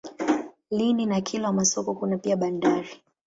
Lindi na Kilwa Masoko kuna pia bandari.